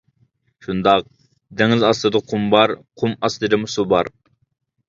شۇنداق، دېڭىز ئاستىدا قۇم بار، قۇم ئاستىدىمۇ سۇ بار.